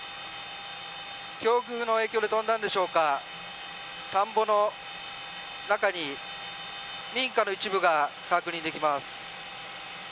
強風の影響で飛んだんでしょうか、田んぼの中に民家の一部が確認できます。